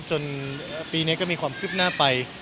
จนปีนี้ก็มีความคืบหน้าไป